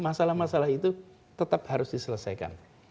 masalah masalah itu tetap harus diselesaikan